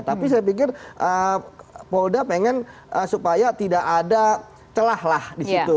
tapi saya pikir polda pengen supaya tidak ada celah lah di situ